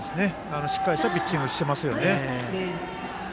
しっかりとしたピッチングができていますよね。